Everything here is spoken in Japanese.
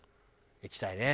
行きたいね。